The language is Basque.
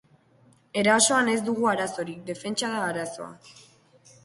Erasoan ez dugu arazorik, defentsa da arazoa.